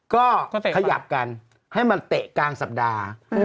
ก็ขยับกันให้มันเตะกลางสัปดาห์